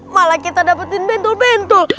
malah kita dapetin bentul bentul